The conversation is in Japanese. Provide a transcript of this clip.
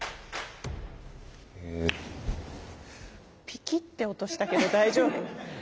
ピキッて音したけど大丈夫？